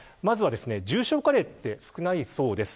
重症化例は少ないそうです。